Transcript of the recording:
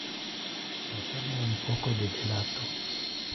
Lassar me un poco de gelato.